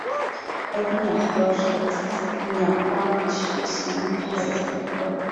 和平鸟科是鸟纲雀形目中的一个科。